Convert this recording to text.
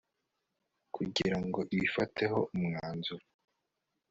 kugira ngo ibifateho umwanzuro